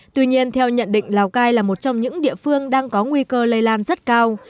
tuy nhiên theo nhận định lào cai là một trong những địa phương đang có nguy cơ lây lan rất cao